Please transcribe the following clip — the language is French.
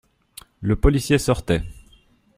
Le policier sortait.